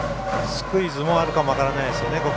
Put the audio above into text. スクイズもあるかも分からないですね。